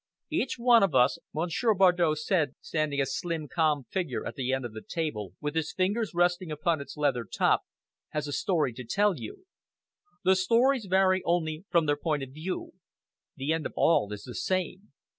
"Each one of us," Monsieur Bardow said, standing, a slim, calm figure at the end of the table, with his fingers resting upon its leather top, "has a story to tell you. The stories vary only from their point of view. The end of all is the same.